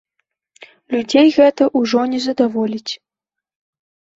Людзей гэта ўжо не задаволіць.